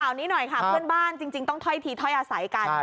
นี้หน่อยค่ะเพื่อนบ้านจริงต้องถ้อยทีถ้อยอาศัยกัน